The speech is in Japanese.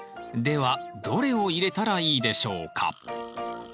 ではどれを入れたらいいでしょうか？